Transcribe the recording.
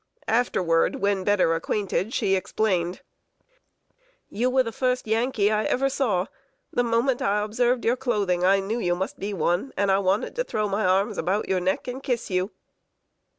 Afterward, when better acquainted, she explained: "You were the first Yankee I ever saw. The moment I observed your clothing, I knew you must be one, and I wanted to throw my arms about your neck, and kiss you!"